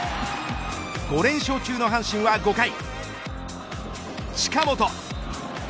５連勝中の阪神は５回近本。